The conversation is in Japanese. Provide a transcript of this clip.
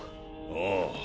ああ。